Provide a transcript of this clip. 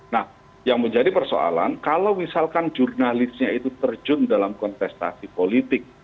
nah yang menjadi persoalan kalau misalkan jurnalisnya itu terjun dalam kontestasi politik